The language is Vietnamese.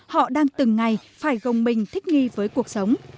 họ đang từng ngày phải gồng mình thích nghi với cuộc sống